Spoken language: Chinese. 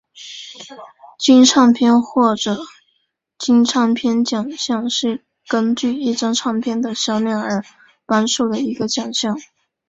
金唱片或金唱片奖项是根据一张唱片的销量而颁授的一个奖项。